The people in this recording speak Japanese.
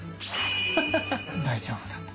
大丈夫だと。